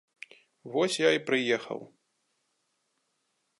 Вось я й прыехаў.